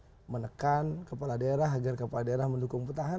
ada indikasi keterlibatan aparat menekan kepala daerah agar kepala daerah mendukung petahana